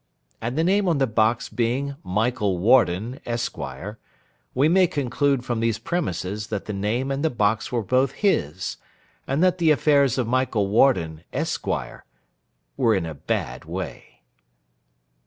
And the name on the box being Michael Warden, Esquire, we may conclude from these premises that the name and the box were both his, and that the affairs of Michael Warden, Esquire, were in a bad way.